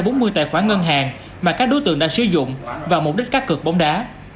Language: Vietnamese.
cho bốn mươi tài khoản ngân hàng mà các đối tượng đã sử dụng vào mục đích cá cửa bóng đá